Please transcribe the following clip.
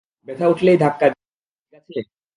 ব্যথা উঠলেই ধাক্কা দিবে, ঠিক আছে?